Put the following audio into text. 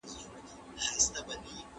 تاسې د تاریخ په اړه څه فکر کوئ؟